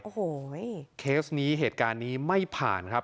โอ้โหเคสนี้เหตุการณ์นี้ไม่ผ่านครับ